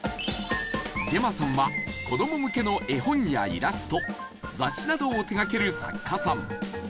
ジェマさんは子ども向けの絵本やイラスト雑誌などを手がける作家さん